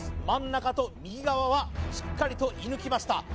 真ん中と右側はしっかりと射ぬきました